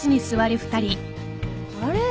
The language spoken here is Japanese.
あれ？